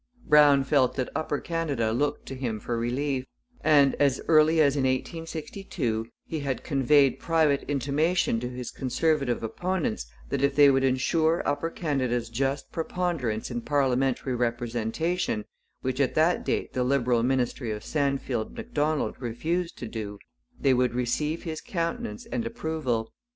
Brown felt that Upper Canada looked to him for relief; and as early as in 1862 he had conveyed private intimation to his Conservative opponents that if they would ensure Upper Canada's just preponderance in parliamentary representation, which at that date the Liberal ministry of Sandfield Macdonald refused to do, they would receive his countenance and approval.